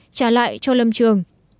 trả lại cho lâm trường